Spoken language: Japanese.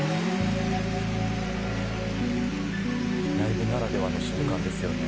「ライブならではの瞬間ですよね」